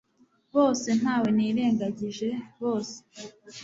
bose, ntawe nirengagije, bose